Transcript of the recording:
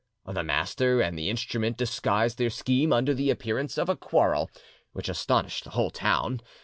The master and the instrument disguised their scheme under the appearance of a quarrel, which astonished the whole town.